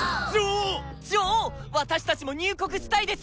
私たちも入国したいです！